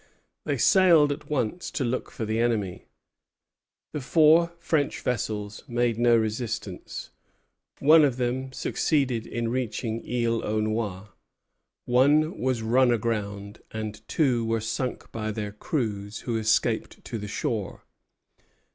They sailed at once to look for the enemy. The four French vessels made no resistance. One of them succeeded in reaching Isle aux Noix; one was run aground; and two were sunk by their crews, who escaped to the shore.